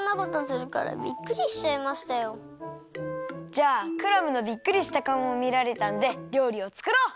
じゃあクラムのびっくりしたかおもみられたんで料理をつくろう！